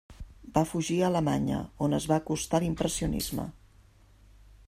Va fugir a Alemanya, on es va acostar a l'impressionisme.